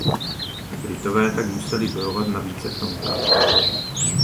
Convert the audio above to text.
Britové tak museli bojovat na více frontách.